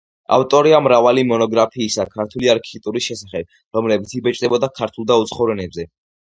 ავტორია მრავალი მონოგრაფიისა ქართული არქიტექტურის შესახებ, რომლებიც იბეჭდებოდა ქართულ და უცხოურ ენებზე.